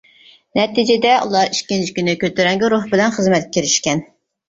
نەتىجىدە، ئۇلار ئىككىنچى كۈنى كۆتۈرەڭگۈ روھ بىلەن خىزمەتكە كىرىشكەن.